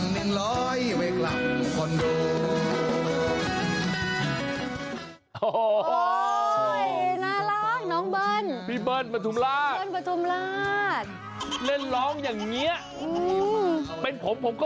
เดี๋ยวตั้งหนึ่งร้อยไว้กลับคอนโด